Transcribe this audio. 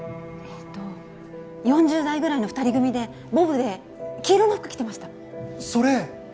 えっと４０代ぐらいの二人組でボブで黄色の服着てましたそれ